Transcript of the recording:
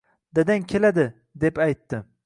Dadang keladi, deb aytdi